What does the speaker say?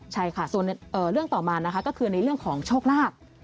ใช่ค่ะส่วนเรื่องต่อมานะคะก็คือในเรื่องของโชคลาภ